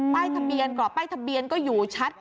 ป้ายทะเบียนกรอบป้ายทะเบียนก็อยู่ชัด